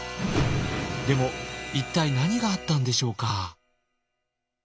でも一体何があったんでしょうか？